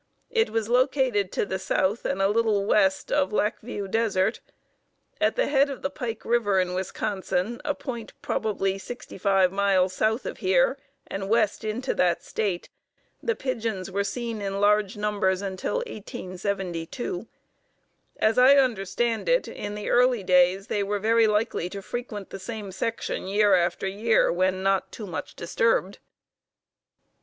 It was located to the south and a little west of Lac Vieux Desert. At the head of the Pike River in Wisconsin, a point probably sixty five miles south of here, and west into that State, the pigeons were seen in large numbers until 1872. As I understand it, in the early days they were very likely to frequent the same section year after year when not too much disturbed.